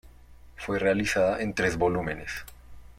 Fue realizada en tres volúmenes.